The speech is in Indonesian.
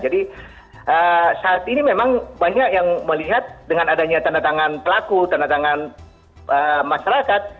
jadi saat ini memang banyak yang melihat dengan adanya tanda tangan pelaku tanda tangan masyarakat